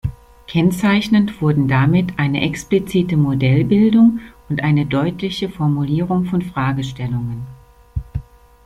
Kennzeichnend wurden damit eine explizite Modellbildung und eine deutliche Formulierung von Fragestellungen.